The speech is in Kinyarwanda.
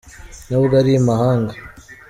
Nubwo ari imahanga